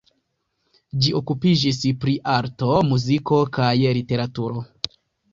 Ĝi okupiĝis pri arto, muziko kaj literaturo.